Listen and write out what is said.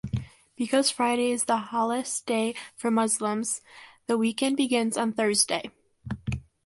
Because Friday is the holiest day for Muslims, the weekend begins on Thursday.